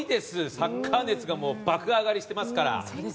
サッカー熱が爆上がりしていますから。